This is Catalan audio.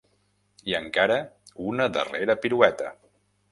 I encara una darrera pirueta.